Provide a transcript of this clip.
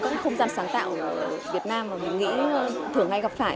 các không gian sáng tạo ở việt nam mà mình nghĩ thường hay gặp phải